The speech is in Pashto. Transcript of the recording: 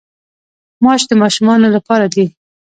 ماش د ماشومانو لپاره دي.